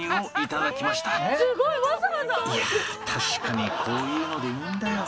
いや確かにこういうのでいいんだよ